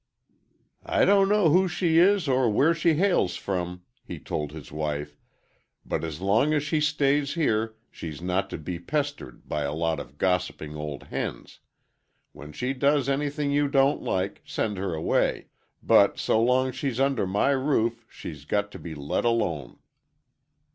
"I don't know who she is or where she hails from," he told his wife, "but as long as she stays here, she's not to be pestered by a lot of gossiping old hens. When she does anything you don't like, send her away; but so long's she's under my roof, she's got to be let alone."